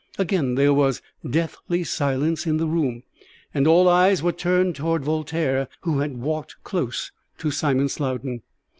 Again there was deathly silence in the room, and all eyes were turned towards Voltaire, who had walked close to Simon Slowden.